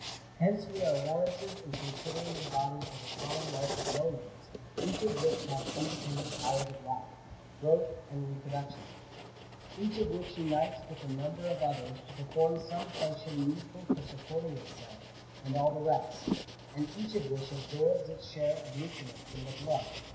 Henoe we are. warranted in considering the body as a common wealth of monads, each of which has independent powers of life, growth, and reproduction ; each of which unites with a number of others to perform some funotion needful for supporting itself and all the rest ; and each of which absorbs its share of nutri ment from the blood.